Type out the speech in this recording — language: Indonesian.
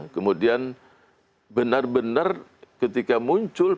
kemudian benar benar ketika muncul